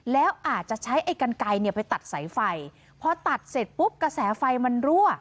แล้วอาจจะใช้ไอ้กันไกลเนี่ยไปตัดสายไฟพอตัดเสร็จปุ๊บกระแสไฟมันรั่ว